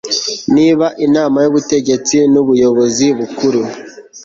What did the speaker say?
niba inama y ubutegetsi n ubuyobozi bukuru